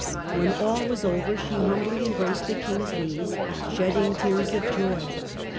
When all was 1129 Qver she humbly embraced the King's knees, shedding tears of joy.